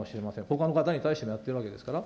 ほかの方に対してもやってるわけですから。